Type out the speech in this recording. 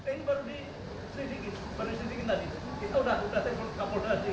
ini baru diselidiki tadi itu kita udah tengok ke kondasi